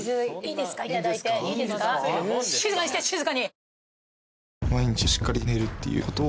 静かにして静かに。